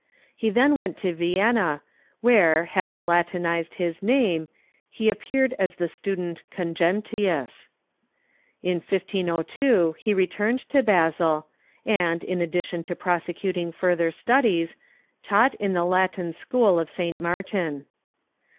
He then went to Vienna, where, having Latinized his name, he appeared as the student Cogentius. In 1502 he returned to Basel, and, in addition to prosecuting further studies, taught in the Latin school of St. Martin.